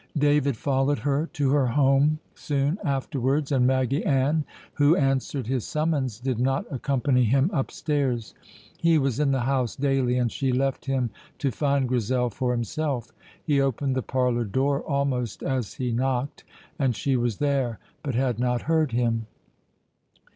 David followed her to her home soon afterwards, and Maggy Ann, who answered his summons, did not accompany him upstairs. He was in the house daily, and she left him to find Grizel for himself. He opened the parlour door almost as he knocked, and she was there, but had not heard him.